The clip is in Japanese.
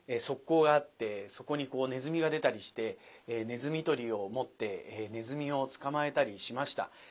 側溝があってそこにネズミが出たりしてネズミ捕りを持ってネズミを捕まえたりしました。